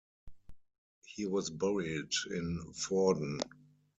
He was buried in Vorden.